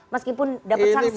meskipun dapet sangsi lisan